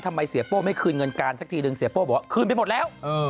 เสียโป้ไม่คืนเงินการสักทีหนึ่งเสียโป้บอกว่าคืนไปหมดแล้ว